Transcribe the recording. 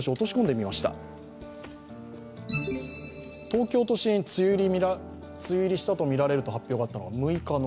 東京都心、梅雨入りしたとみられると発表があったのは６日。